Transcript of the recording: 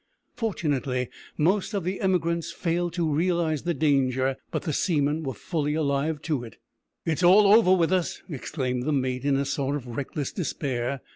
Fortunately, most of the emigrants failed to realise the danger, but the seamen were fully alive to it. "It's all over with us," exclaimed the mate, in a sort of reckless despair.